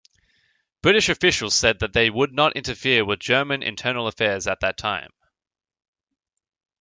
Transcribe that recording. British officials said they would not interfere with German internal affairs at that time.